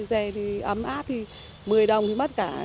về thì ấm áp thì một mươi đồng thì mất cả